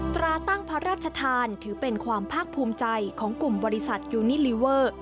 ตราตั้งพระราชทานถือเป็นความภาคภูมิใจของกลุ่มบริษัทยูนิลิเวอร์